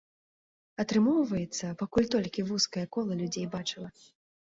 Атрымоўваецца, пакуль толькі вузкае кола людзей бачыла.